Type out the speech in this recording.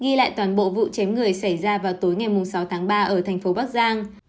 ghi lại toàn bộ vụ chém người xảy ra vào tối ngày sáu tháng ba ở tp bắc giang